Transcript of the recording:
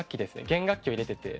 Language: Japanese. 弦楽器を入れてて。